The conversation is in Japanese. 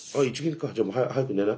じゃあもう早く寝な。